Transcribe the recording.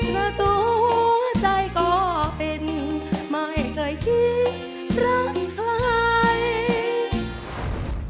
ประตูหัวใจก็เป็นไม่เคยคิดรักใคร